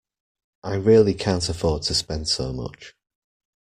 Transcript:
I really can’t afford to spend so much